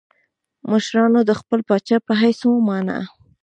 مشرانو د خپل پاچا په حیث ومانه.